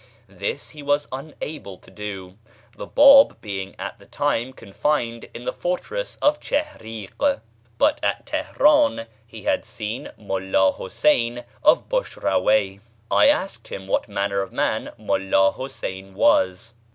This he was unable to do, the Báb being at the time confined in the fortress of Chihrík, but at Teherán he had seen Mullá Huseyn of Bushraweyh. I asked him what manner of man Mullá Huseyn was.